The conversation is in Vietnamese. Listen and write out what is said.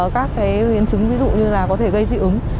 các biến chứng ví dụ như là có thể gây dị ứng